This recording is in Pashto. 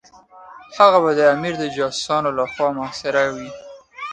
هغه به د امیر د جاسوسانو لخوا محاصره وي.